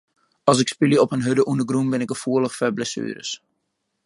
As ik spylje op in hurde ûndergrûn bin ik gefoelich foar blessueres.